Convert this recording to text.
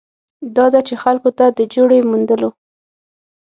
دا ده چې خلکو ته د جوړې موندلو